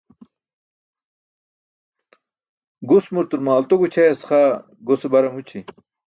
Gusmur turmaalto gućʰayas xaa gose bar amući